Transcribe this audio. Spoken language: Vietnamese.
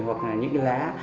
hoặc là những cái lá